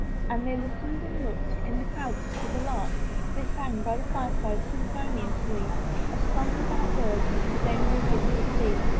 And they listened and looked In the clouds for the lark. They sang, by the fireside, Symphoniouslie, A song without words, To Dame Wiggins of Lee.